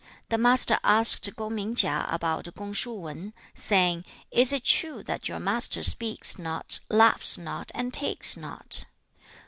The Master asked Kung ming Chia about Kung shu Wan, saying, 'Is it true that your master speaks not, laughs not, and takes not?'